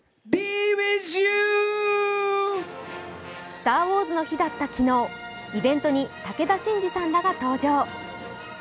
「スター・ウォーズの日」だった昨日イベントに武田真治さんらが登場。